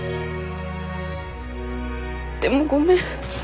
でもごめん。